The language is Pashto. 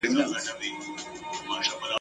دلته څنګه زما پر کور بل سوی اور دی ..